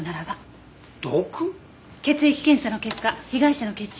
血液検査の結果被害者の血中から